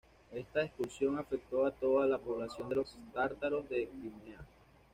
Esta expulsión afectó a toda la población de los tártaros de Crimea.